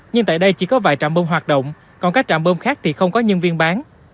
nhưng tại đây chỉ có vài trạm bơm hoạt động còn các trạm bơm khác thì không có nhân viên bán